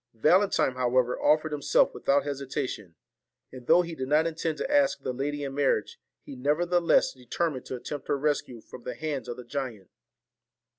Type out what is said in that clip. Valentine, however, offered himself without hesitation ; and though he did not intend to ask the lady in marriage, he nevertheless determined to attempt her rescue from the hands of the giant.